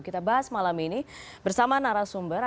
kita bahas malam ini bersama nara sumber